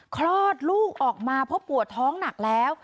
คลอดลูกออกมาเพราะปวดท้องหนักแล้ว